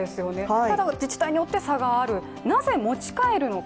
ただ自治体によって差がある、なぜ持ち帰るのか。